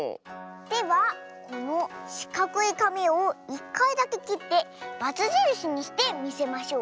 ではこのしかくいかみを１かいだけきってバツじるしにしてみせましょう。